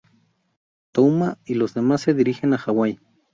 Touma y los demás se dirigen a Hawai.